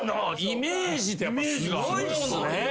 イメージってすごいっすね。